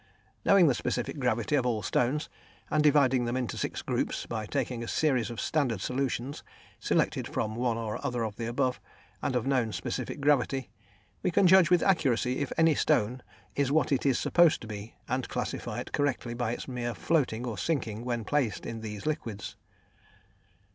Knowing the specific gravity of all stones, and dividing them into six groups, by taking a series of standard solutions selected from one or other of the above, and of known specific gravity, we can judge with accuracy if any stone is what it is supposed to be, and classify it correctly by its mere floating or sinking when placed in these liquids.